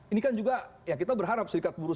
ini kan juga ya kita berharap serikat buruh